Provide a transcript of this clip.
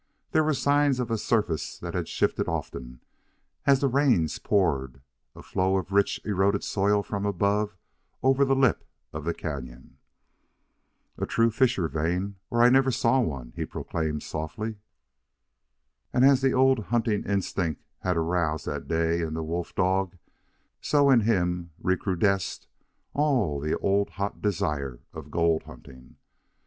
There were signs of a surface that had shifted often as the rains poured a flow of rich eroded soil from above over the lip of the canon. "A true fissure vein, or I never saw one," he proclaimed softly. And as the old hunting instincts had aroused that day in the wolf dog, so in him recrudesced all the old hot desire of gold hunting.